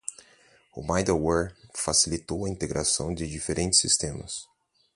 O middleware facilitou a integração de diferentes sistemas.